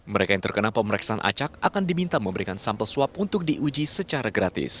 mereka yang terkena pemeriksaan acak akan diminta memberikan sampel swab untuk diuji secara gratis